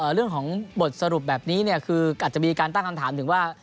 เรื่องของบทสรุปแบบนี้คืออาจจะมีการตั้งคำถามถึงว่า